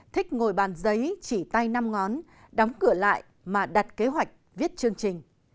thích ngồi bàn giấy chỉ tay năm ngón đóng cửa lại mà đặt kế hoạch viết chương trình